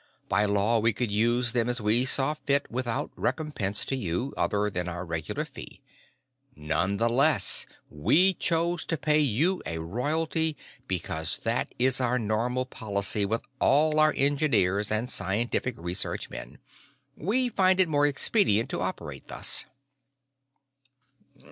By law, we could use them as we saw fit without recompense to you, other than our regular fee. None the less, we chose to pay you a royalty because that is our normal policy with all our engineers and scientific research men. We find it more expedient to operate thus."